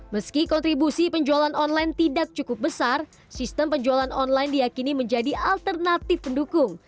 meski kontribusi penjualan online tidak cukup besar sistem penjualan online diakini menjadi alternatif pendukung